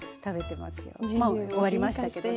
もう終わりましたけどね。